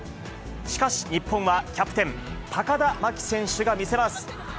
しかし、日本はキャプテン、高田真希選手が見せます。